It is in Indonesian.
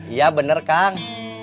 iya bener kang